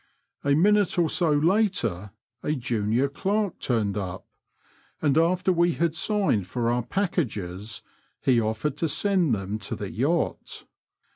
A minute or so later a junior clerk turned up, and after we had signed for the packages, he offered to send them to the yacht.